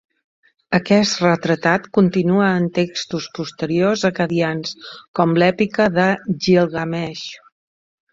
Aquest retratat continua en textos posteriors acadians com "L'èpica de Gilgamesh".